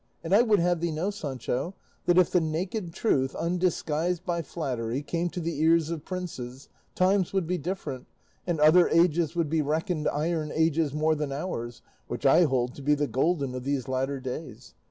And I would have thee know, Sancho, that if the naked truth, undisguised by flattery, came to the ears of princes, times would be different, and other ages would be reckoned iron ages more than ours, which I hold to be the golden of these latter days.